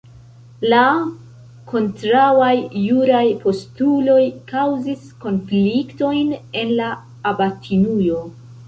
La kontraŭaj juraj postuloj kaŭzis konfliktojn en la abatinujo.